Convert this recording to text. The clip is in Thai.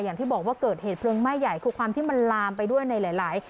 อย่างที่บอกว่าเกิดเหตุเพลิงไหม้ใหญ่คือความที่มันลามไปด้วยในหลาย